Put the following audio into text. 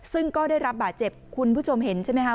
ซึ่งก็ได้รับบาดเจ็บคุณผู้ชมเห็นใช่ไหมคะ